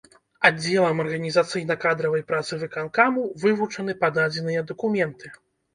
Аддзелам арганізацыйна-кадравай працы выканкаму вывучаны пададзеныя дакументы.